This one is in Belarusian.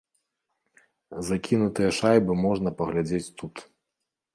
Закінутыя шайбы можна паглядзець тут.